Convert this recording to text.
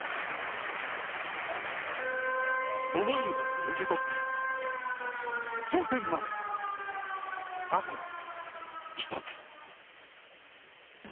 思いを受け取って頂点まで、あと１つ。